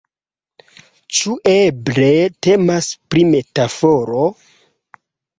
Ĉu eble temas pri metaforo?